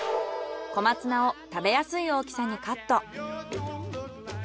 小松菜を食べやすい大きさにカット。